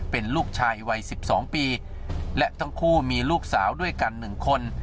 เป็นลูกชายวัยสิบสองปีและทั้งคู่มีลูกสาวด้วยกันหนึ่งคน